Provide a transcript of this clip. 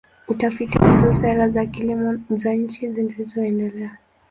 Utafiti kuhusu sera za kilimo za nchi zinazoendelea.